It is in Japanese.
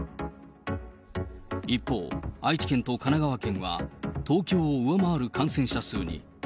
一方、愛知県と神奈川県は、東京を上回る感染者数に。